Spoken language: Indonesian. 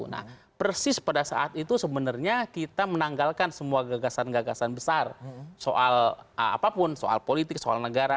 nah persis pada saat itu sebenarnya kita menanggalkan semua gagasan gagasan besar soal apapun soal politik soal negara